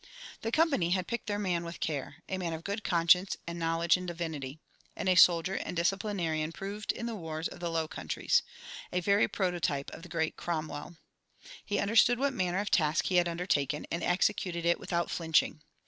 The Company had picked their man with care "a man of good conscience and knowledge in divinity," and a soldier and disciplinarian proved in the wars of the Low Countries a very prototype of the great Cromwell. He understood what manner of task he had undertaken, and executed it without flinching.